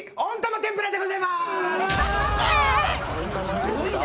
すごいね。